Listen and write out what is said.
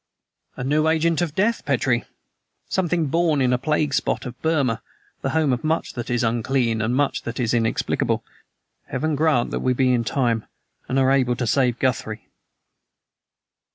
"A new agent of death, Petrie! Something born in a plague spot of Burma the home of much that is unclean and much that is inexplicable. Heaven grant that we be in time, and are able to save Guthrie."